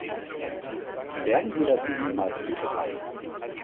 Werden Sie das jemals begreifen?